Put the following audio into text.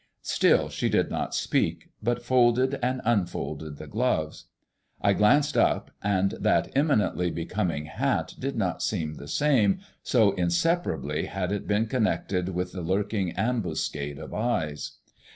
Still she did not speak, but folded and unfolded the gloves. I glanced up, and that eminently becoming hat did not seem the same, so inseparably had it been connected with the lurking ambuscade of eyes.